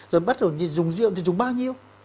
rồi bắt đầu dùng rượu thì dùng bao nhiêu